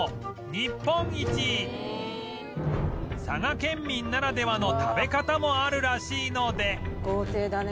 佐賀県民ならではの食べ方もあるらしいので